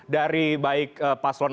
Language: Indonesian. dari baik paslon satu